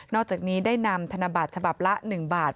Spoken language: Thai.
อกจากนี้ได้นำธนบัตรฉบับละ๑บาท